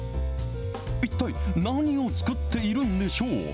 一体何を作っているんでしょう？